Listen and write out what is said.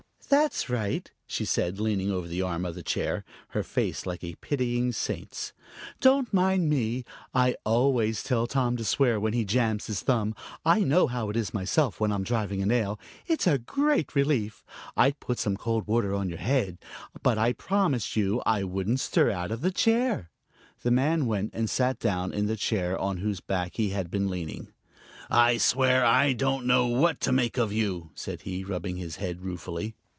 "That's right," she said, leaning over the arm of the chair, her face like a pitying saint's. "Don't mind me, I always tell Tom to swear, when he jams his thumb. I know how it is myself when I'm driving a nail. It's a great relief. I'd put some cold water on your head, but I promised you I wouldn't stir out of the chair " The man went and sat down in the chair on whose back he had been leaning. "I swear, I don't know what to make of you," said he, rubbing his head ruefully.